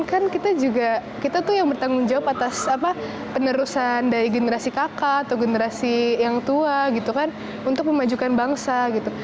kan kita juga kita tuh yang bertanggung jawab atas apa penerusan dari generasi kakak atau generasi yang tua gitu kan untuk memajukan bangsa gitu